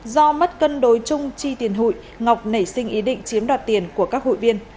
do mất cân đối chung chi tiền hụi ngọc nảy sinh ý định chiếm đoạt tiền của các hụi viên